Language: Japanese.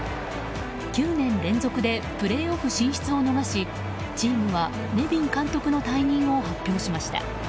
９年連続でプレーオフ進出を逃しチームはネビン監督の退任を発表しました。